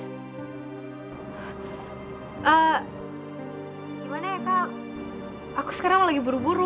eh gimana ya pak aku sekarang lagi buru buru